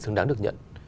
xứng đáng được nhận